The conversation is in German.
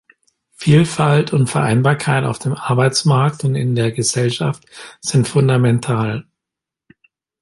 Vielfalt und Vereinbarkeit auf dem Arbeitsmarkt und in der Gesellschaft sind fundamental.